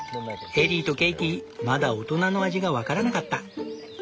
エリーとケイティまだ大人の味が分からなかった。